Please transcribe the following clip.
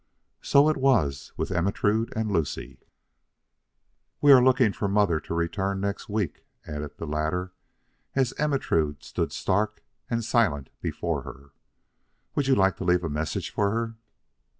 So was it with Ermentrude and Lucie. "We are looking for mother to return next week," added the latter as Ermentrude stood stark and silent before her. "Would you like to leave a message for her?"